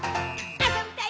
あそびたい！